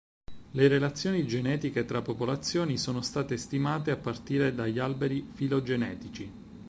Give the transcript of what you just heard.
Le relazioni genetiche tra popolazioni sono state stimate a partire dagli alberi filogenetici.